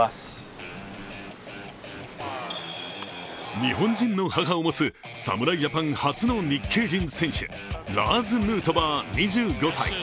日本人の母を持つ侍ジャパン初の日系人選手ラーズ・ヌートバー２５歳。